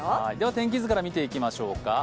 天気図から見ていきましょうか。